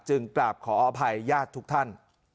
จึงกราบขออภัยยาดทุกท่าน